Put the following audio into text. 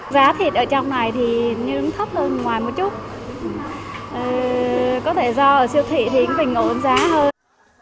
giá thịt ở trong này thì nhưng thấp hơn ngoài một chút có thể do ở siêu thị thì bình ổn giá hơn